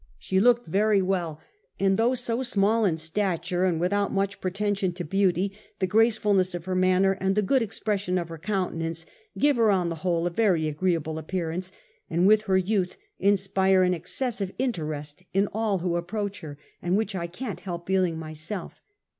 She 1837. THE YOUNG QUEEN. 11 looked very well ; and though, so small in stature, and without much pretension to beauty, the graceful ness of her manner and the good expression of her countenance give her on the whole a very agreeable appearance, and with her youth inspire an excessive interest in all who approach her, and which I can't help feeling myself.